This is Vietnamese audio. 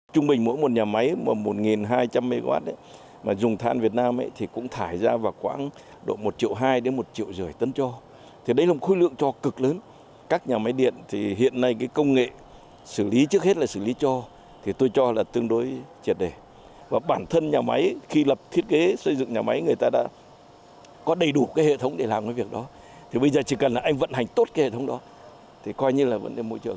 thì bây giờ chỉ cần là anh vận hành tốt cái hệ thống đó thì coi như là vấn đề môi trường nó sẽ không có vấn đề nữa